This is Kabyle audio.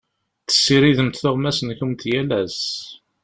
Tessiridemt tuɣmas-nkent yal ass.